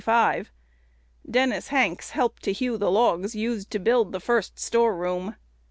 Dennis Hanks helped to hew the logs used to build the first storeroom.